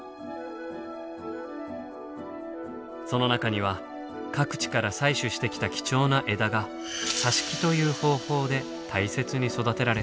その中には各地から採取してきた貴重な枝が挿し木という方法で大切に育てられているのです。